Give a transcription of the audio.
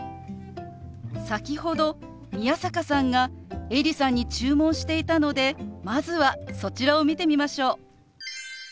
先ほど宮坂さんがエリさんに注文していたのでまずはそちらを見てみましょう。